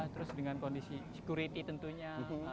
terus dengan kondisi security tentunya